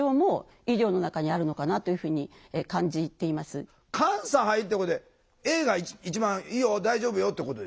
確かに監査入ってこれａが一番いいよ大丈夫よってことでしょ？